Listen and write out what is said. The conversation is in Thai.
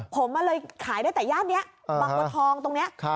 ผมเลยขายได้แต่ย่านนี้บางบัวทองตรงนี้